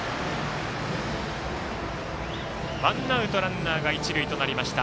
ワンアウト、ランナー、一塁となりました。